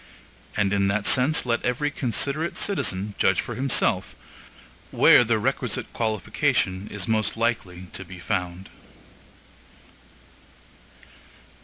And in that sense let every considerate citizen judge for himself where the requisite qualification is most likely to be found.